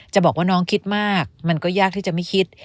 บอกว่าน้องคิดมากมันก็ยากที่จะไม่คิด